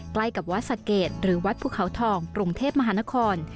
ใกล้กับวัดสะเกดหรือวัดภูเขาทองกรุงเทพมหานคร